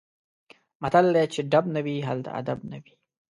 متل دی: چې ډب نه وي هلته ادب نه وي.